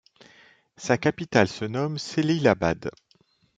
Sa capitale se nomme Cəlilabad.